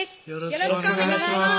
よろしくお願いします